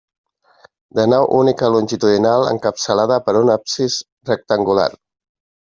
De nau única longitudinal encapçalada per un absis rectangular.